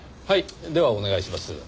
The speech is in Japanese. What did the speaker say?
はいではお願いします。